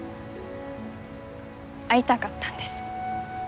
会いたかったんです。